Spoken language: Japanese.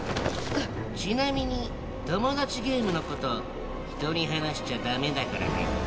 ちなみにトモダチゲームの事人に話しちゃダメだからね。